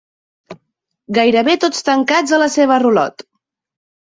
Gairebé tots tancats a la seva rulot.